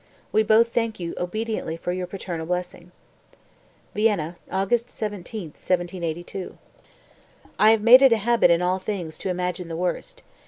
We both thank you obediently for your paternal blessing." (Vienna, August 17, 1782.) 254. "I have made it a habit in all things to imagine the worst.